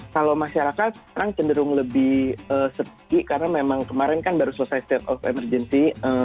kalau masyarakat sekarang cenderung lebih sepi karena memang kemarin kan baru selesai state of emergency